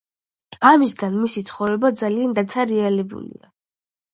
ამისგან მისი ცხოვრება ძალიან დაცარულია